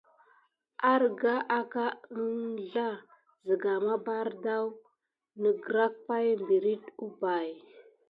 Ərga aka əŋslah siga mabartan nigra pay mberi umpay.